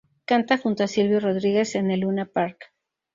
Canta junto a Silvio Rodríguez en el Luna Park.